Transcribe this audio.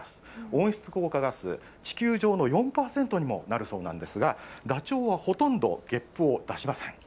温室効果ガス、地球上の４％にもなるそうなんですが、ダチョウはほとんどげっぷを出しません。